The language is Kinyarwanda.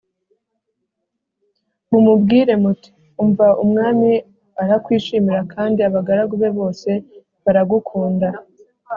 mumubwire muti ‘Umva umwami arakwishimira, kandi abagaragu be bose baragukunda